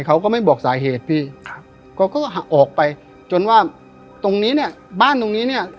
เขาก็ไม่บอกสาเหตุพี่ครับเขาก็ออกไปจนว่าตรงนี้เนี่ยบ้านตรงนี้เนี่ย